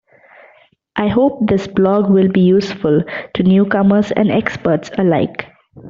I hope this blog will be useful to newcomers and experts alike.